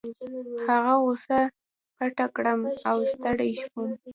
هغه غوسه پټه کړم او ستړی وم.